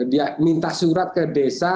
dia minta surat ke desa